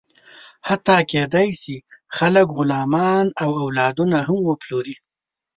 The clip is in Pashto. حتی کېدی شي، خلک غلامان او اولادونه هم وپلوري.